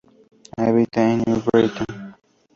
Habita en New Britain.